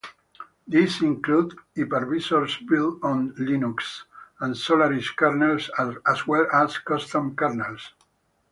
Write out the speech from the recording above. These include hypervisors built on Linux and Solaris kernels as well as custom kernels.